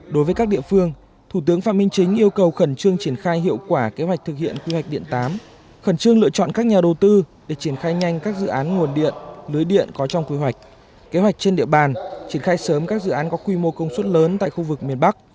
đối với các địa phương thủ tướng phạm minh chính yêu cầu khẩn trương triển khai hiệu quả kế hoạch thực hiện quy hoạch điện tám khẩn trương lựa chọn các nhà đầu tư để triển khai nhanh các dự án nguồn điện lưới điện có trong quy hoạch kế hoạch trên địa bàn triển khai sớm các dự án có quy mô công suất lớn tại khu vực miền bắc